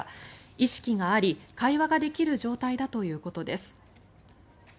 意識があり会話ができる状態だということです。